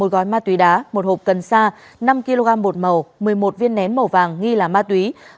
một gói ma túy đá một hộp cần sa năm kg bột màu một mươi một viên nén màu vàng nghi là ma túy